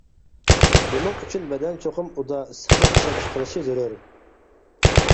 بۇنىڭ ئۈچۈن بەدەن چوقۇم ئۇدا ئىسسىقلىق ئىشلەپچىقىرىشى زۆرۈر.